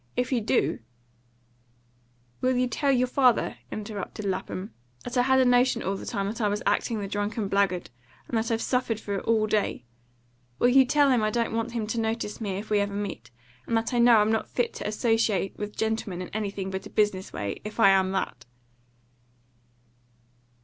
"If you do " "Will you tell your father," interrupted Lapham, "that I had a notion all the time that I was acting the drunken blackguard, and that I've suffered for it all day? Will you tell him I don't want him to notice me if we ever meet, and that I know I'm not fit to associate with gentlemen in anything but a business way, if I am that?"